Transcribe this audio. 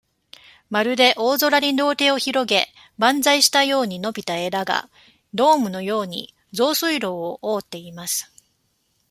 まるで、大空に両手を広げ、バンザイしたように伸びた枝が、ドームのように、上水路をおおっています。